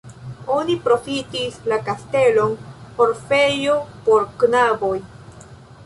Oni profitis la kastelon orfejo por knaboj.